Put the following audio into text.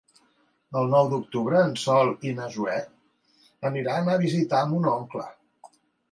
El nou d'octubre en Sol i na Zoè aniran a visitar mon oncle.